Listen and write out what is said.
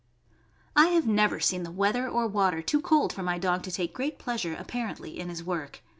I have never seen the weather or water too cold for my dog to take great pleasure, apparently, in his work.